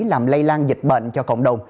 làm lây lan dịch bệnh cho cộng đồng